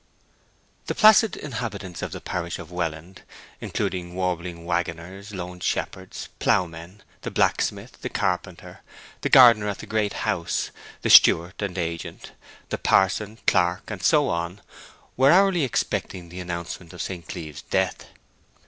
X The placid inhabitants of the parish of Welland, including warbling waggoners, lone shepherds, ploughmen, the blacksmith, the carpenter, the gardener at the Great House, the steward and agent, the parson, clerk, and so on, were hourly expecting the announcement of St. Cleeve's death.